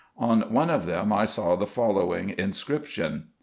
On one of them I saw the following inscription.